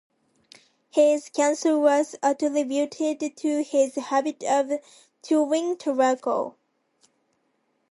His cancer was attributed to his habit of chewing tobacco.